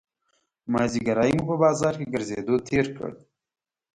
مازیګری مو په بازار کې ګرځېدو تېر کړ.